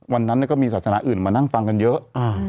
วันนั้นก็มีศาสนาอื่นมานั่งฟังกันเยอะ